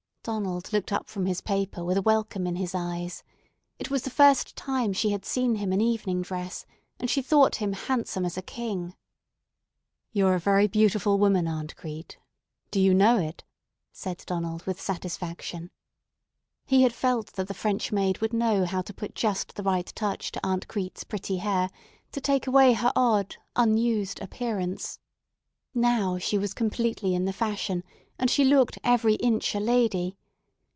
Donald looked up from his paper with a welcome in his eyes. It was the first time she had seen him in evening dress, and she thought him handsome as a king. "You're a very beautiful woman, Aunt Crete; do you know it?" said Donald with satisfaction. He had felt that the French maid would know how to put just the right touch to Aunt Crete's pretty hair to take away her odd, "unused" appearance. Now she was completely in the fashion, and she looked every inch a lady.